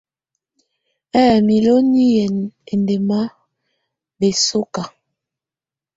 Ɛ̌ɛ miloni yɛ ɛndɛma bɛsɔka.